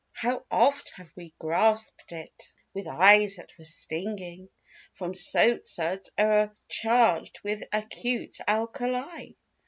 How oft have we grasped it with eyes that were stinging From soap suds o'ercharged with acute alkali.